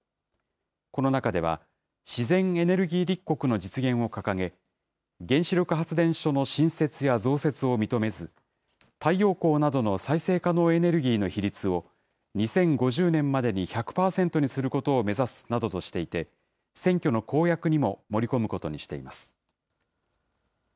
この中では、自然エネルギー立国の実現を掲げ、原子力発電所の新設や増設を認めず、太陽光などの再生可能エネルギーの比率を、２０５０年までに１００％にすることを目指すなどとしていて、選挙の公約にも盛り込むことにしています。